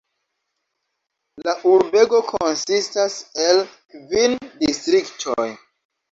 La urbego konsistas el kvin distriktoj.